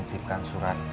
dan menitipkan surat